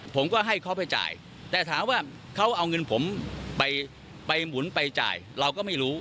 ผมก็ให้เขาไปจ่ายแต่ถามว่าเขาเอาเงินผมไปหมุนไปจ่ายเราก็ไม่รู้